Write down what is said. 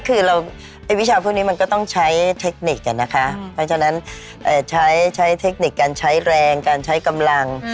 ก็คือวิชาพวกนี้มันก็ต้องใช้เทคนิคกันนะคะใช้เทคนิคการใช้แรงการใช้กำลัง